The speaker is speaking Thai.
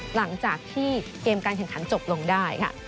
หลังจากที่เกมการแข่งขันจบลงได้ค่ะ